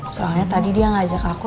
soalnya tadi dia ngajak aku